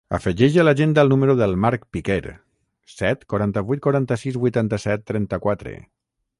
Afegeix a l'agenda el número del Mark Piquer: set, quaranta-vuit, quaranta-sis, vuitanta-set, trenta-quatre.